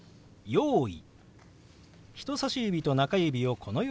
「用意」。